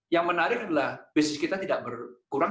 yang menarik adalah bisnis kita tidak berkurang